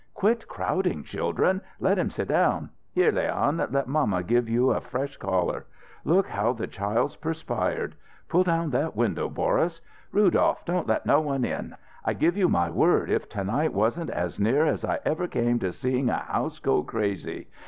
"Quit crowding, children! Let him sit down. Here, Leon, let mamma give you a fresh collar. Look how the child's perspired! Pull down that window, Boris. Rudolph, don't let no one in. I give you my word if to night wasn't as near as I ever came to seeing a house go crazy.